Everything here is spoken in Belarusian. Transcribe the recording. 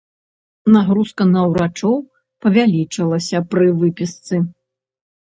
Нагрузка на ўрачоў павялічылася пры выпісцы.